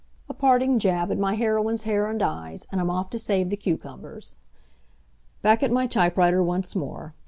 A parting jab at my heroine's hair and eyes, and I'm off to save the cucumbers. Back at my typewriter once more.